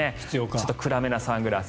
ちょっと暗めのサングラス。